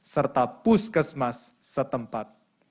serta puskesmas setempat